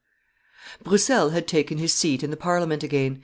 ] Broussel had taken his seat in the Parliament again.